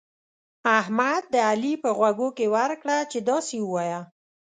احمد د علي په غوږو کې ورکړه چې داسې ووايه.